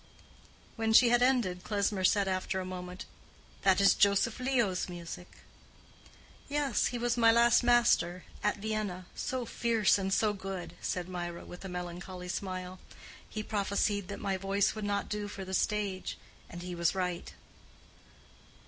_" When she had ended, Klesmer said after a moment, "That is old Leo's music." "Yes, he was my last master—at Vienna: so fierce and so good," said Mirah, with a melancholy smile. "He prophesied that my voice would not do for the stage. And he was right."